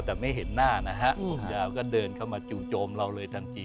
แต่ไม่เห็นหน้านะฮะคุณยาวก็เดินเข้ามาจู่โจมเราเลยทันที